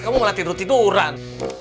kamu malah tidur tiduran